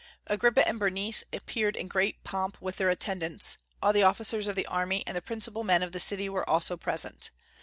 Agrippa and Bernice appeared in great pomp with their attendants; all the officers of the army and the principal men of the city were also present.